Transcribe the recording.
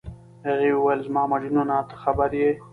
هغې وویل: زما مجنونه، ته خبر یې؟